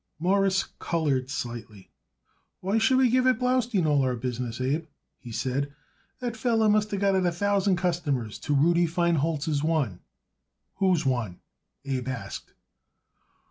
Morris colored slightly. "Why should we give it Blaustein all our business, Abe?" he said. "That feller must got it a thousand customers to Rudy Feinholz's one." "Whose one?" Abe asked.